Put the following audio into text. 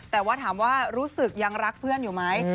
แต่ว่าถามว่ารู้สึกยังรักเพื่อนอยู่ไหม